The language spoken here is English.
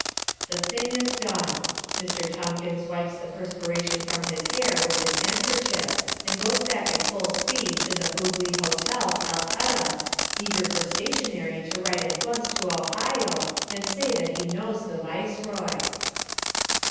The thing is done. Mr. Tomkins wipes the perspiration from his hair with his handkerchief and goes back at full speed to the Hoogli Hotel, Calcutta, eager for stationery to write at once to Ohio and say that he knows the Viceroy.